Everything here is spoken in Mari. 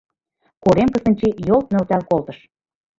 Корем Кыстинчи йолт нӧлтал колтыш.